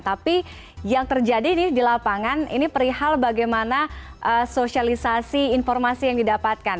tapi yang terjadi di lapangan ini perihal bagaimana sosialisasi informasi yang didapatkan